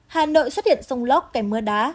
hà nội xuất hiện sông lốc kẻ mưa đá